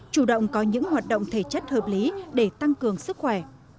chủ động có những hoạt động thể chất hợp lý để tăng cường sức khỏe